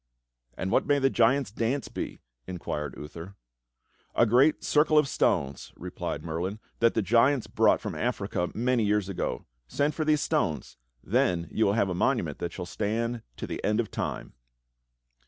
"And what may the Giants' Dance be.^" inquired Uther. "A great circle of stones," replied Merlin, "that the giants brought from Africa many years ago. Send for these stones, then you will have a monument that shall stand to the end of time."